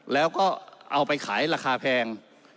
แล้วก็เอาไปขายราคาแพง